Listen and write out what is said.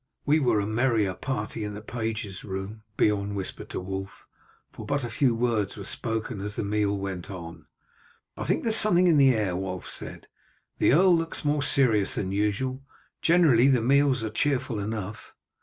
"We were a merrier party in the pages' room," Beorn whispered to Wulf, for but few words were spoken as the meal went on. "I think there is something in the air," Wulf said, "the earl looks more serious than usual. Generally the meals are cheerful enough."